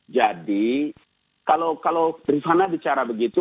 jadi kalau ripana bicara begitu